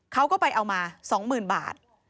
เขาก็ไปเอามา๒๐๐๐บาท